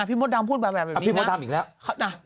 พี่มดดำพูดแบบแบบนี้นะ